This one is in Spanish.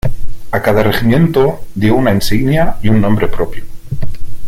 A cada regimiento dio una insignia y con nombre propio.